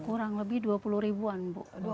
kurang lebih dua puluh ribuan bu